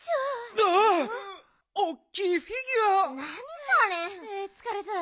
あつかれた。